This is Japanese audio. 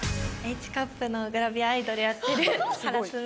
Ｈカップのグラビアアイドルやってる原つむぎです。